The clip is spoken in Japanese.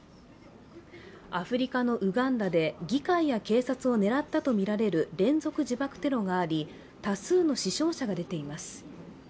アフリカのウガンダで議会や警察を狙ったとみられる連続自爆テロがあり、多数の死傷者が出ています。